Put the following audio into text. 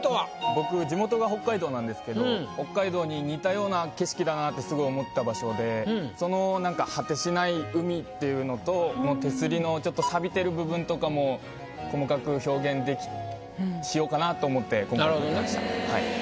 僕地元が北海道なんですけど北海道に似たような景色だなってすごい思った場所でその果てしない海っていうのと手すりのちょっとサビてる部分とかも細かく表現しようかなと思って今回描きました。